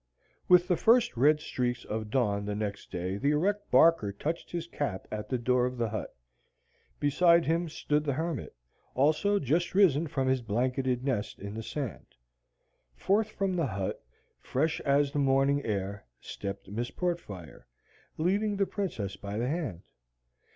With the first red streaks of dawn the next day the erect Barker touched his cap at the door of the hut. Beside him stood the hermit, also just risen from his blanketed nest in the sand. Forth from the hut, fresh as the morning air, stepped Miss Portfire, leading the Princess by the hand.